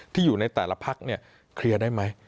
ที่อยู่ในแต่ละพักเนี่ยเคลียร์ได้ไหม